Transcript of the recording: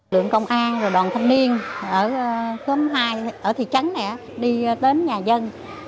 lượng công an đoàn thông niên ở thị trấn này đi đến nhà dân